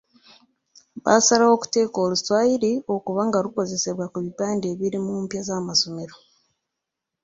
Baasalawo okuteeka Oluswayiri okuba nga lukozesebwa ku bipande ebiri mu mpya z'amasomero.